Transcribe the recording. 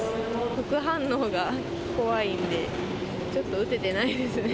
副反応が怖いんで、ちょっと打ててないですね。